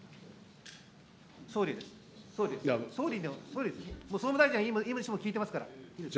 総理です、総理に、総務大臣にはいつも聞いてますから。